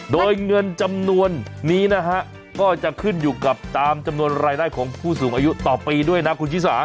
โดยเงินจำนวนนี้นะฮะก็จะขึ้นอยู่กับตามจำนวนรายได้ของผู้สูงอายุต่อปีด้วยนะคุณชิสา